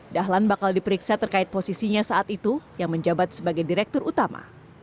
dahlan bakal diperiksa terkait posisinya saat itu yang menjabat sebagai direktur utama